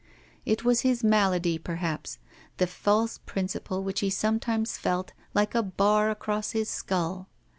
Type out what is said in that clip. It was his malady, perhaps, the false principle which he sometimes felt like a bar across his skull.